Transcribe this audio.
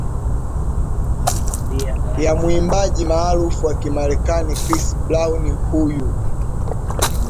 ya mwimbaji maarufu wa kimarekani chris brown huyu